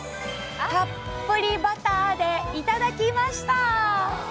たっぷりバターで頂きました！